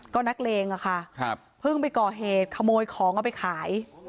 ก็นักเลงอะค่ะเพิ่งไปก่อเหตุขโมยของเอาไปขาย